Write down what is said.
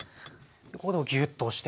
ここでもギューッと押して。